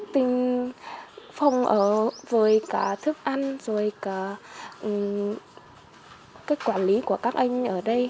tình phòng ở với cả thức ăn rồi cả cách quản lý của các anh ở đây